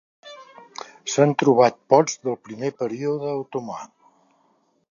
S'han trobat pots del primer període otomà.